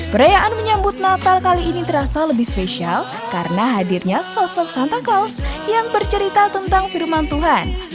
perayaan menyambut natal kali ini terasa lebih spesial karena hadirnya sosok santa gaus yang bercerita tentang firman tuhan